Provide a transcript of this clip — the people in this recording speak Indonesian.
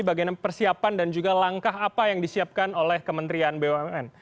bagaimana persiapan dan juga langkah apa yang disiapkan oleh kementerian bumn